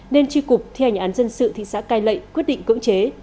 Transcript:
nên tri cục thi hành án dân sự thị xã cai lệ quyết định cưỡng chế